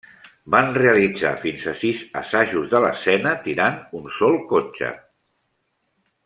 Van realitzar fins a sis assajos de l'escena tirant un sol cotxe.